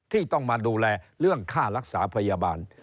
ที่ต้องมาดูแลเรื่องค่ารักษาพยาบาล